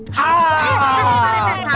anak saya juga gara gara dia